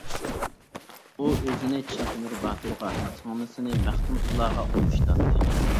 ئۇ ئۆزىنى چىن تۆمۈر باتۇرغا، سىڭلىسىنى مەختۇمسۇلاغا ئوخشىتاتتى.